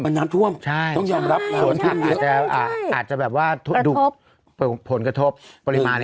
มันน้ำท่วมต้องยอมรับผลกระทบปริมาณน้อย